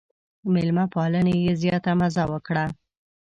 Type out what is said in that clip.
مېلمه پالنې یې زیاته مزه وکړه.